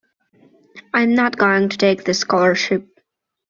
I’m not going to take the scholarship.